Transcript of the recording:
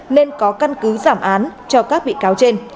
nên có căn cứ giảm án cho các bị cáo trên